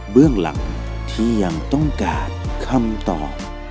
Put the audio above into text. เรื่องหลังที่ยังต้องการคำตอบ